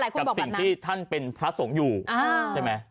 กับสิ่งที่ท่านเป็นพระสงฆ์อยู่ใช่ไหม